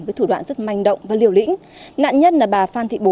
với thủ đoạn rất manh động và liều lĩnh nạn nhân là bà phan thị bốn